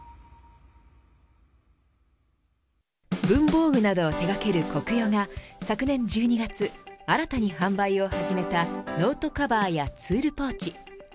文房具などを手掛けるコクヨが昨年１２月新たに販売を始めたノートカバーやツールポーチ。